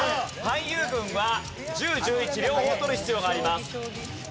俳優軍は１０１１両方取る必要があります。